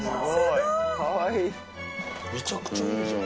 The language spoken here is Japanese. めちゃくちゃいいじゃん